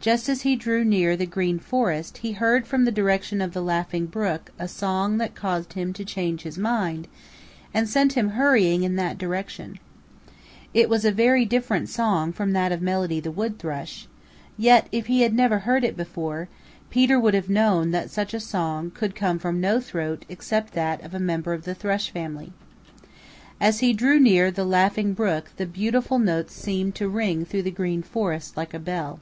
Just as he drew near the Green Forest he heard from the direction of the Laughing Brook a song that caused him to change his mind and sent him hurrying in that direction. It was a very different song from that of Melody the Wood Thrush, yet, if he had never heard it before, Peter would have known that such a song could come from no throat except that of a member of the Thrush family. As he drew near the Laughing Brook the beautiful notes seemed to ring through the Green Forest like a bell.